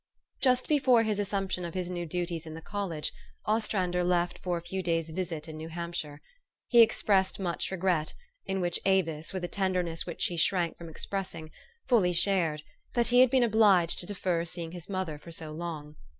Just before his assumption of his new duties in the college, Ostrander left for a few days' visit in New Hampshire. He expressed much regret, in which Avis, with a tenderness which she shrank from ex pressing, fully shared, that he had been obliged to defer seeing his mother for so long.